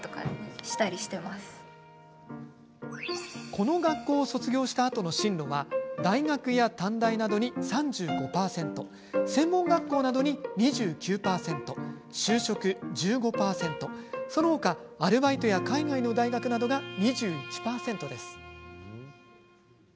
この学校を卒業したあとの進路は大学や短大などに３５％専門学校などに２９％就職１５％その他、アルバイトや海外の大学などが２１％です。